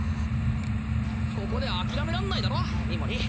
ここで諦めらんないだろミモリ。